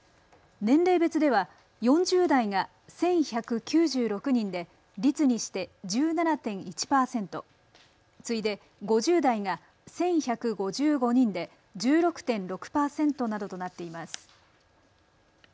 年齢別では４０代が１１９６人で率にして１７．１％、次いで５０代が１１５５人で１６．６％などとなっています。